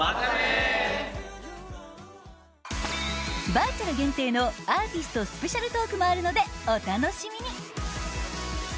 バーチャル限定のアーティストスペシャルトークもあるので、お楽しみに！